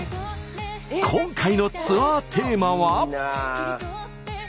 今回のツアーテーマは。